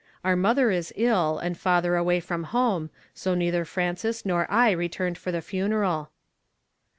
Our mother is ill, and father away from home, so neither Frances nor I returned for the funeral."